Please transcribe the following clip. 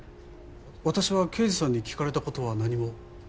私は刑事さんに聞かれた事は何も。